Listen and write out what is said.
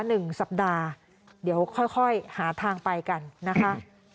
หนึ่งสัปดาห์เดี๋ยวค่อยค่อยหาทางไปกันนะคะ